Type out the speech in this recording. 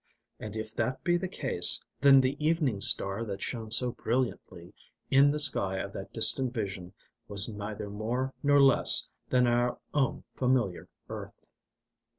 And, if that be the case, then the evening star that shone so brilliantly in the sky of that distant vision, was neither more nor less than our own familiar earth.